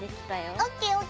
ＯＫＯＫ！